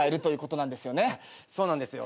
そうなんですよ。